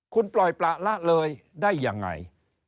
คุณปล่อยประละเลยได้ยังไง